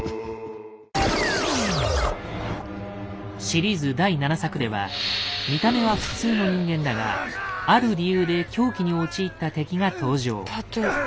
シリーズ第７作では見た目は普通の人間だがある理由で狂気に陥った敵が登場。